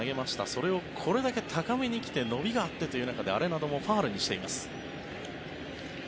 それを、これだけ高めに来て伸びがあってという中でアレナドもファウルにしています。